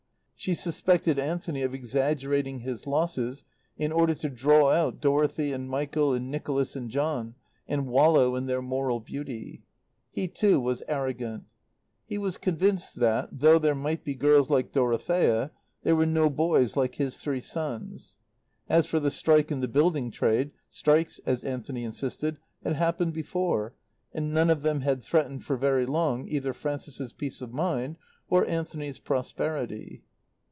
She suspected Anthony of exaggerating his losses in order to draw out Dorothy and Michael and Nicholas and John, and wallow in their moral beauty. He, too, was arrogant. He was convinced that, though there might be girls like Dorothea, there were no boys like his three Sons. As for the strike in the building trade, strikes, as Anthony insisted, had happened before, and none of them had threatened for very long either Frances's peace of mind or Anthony's prosperity.